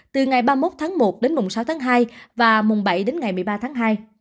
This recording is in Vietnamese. từ ngày ba mươi một tháng một đến mùng sáu tháng hai và mùng bảy đến ngày một mươi ba tháng hai